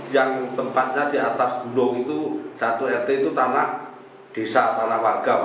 yang tempatnya di atas gunung itu satu rt itu tanah desa tanah warga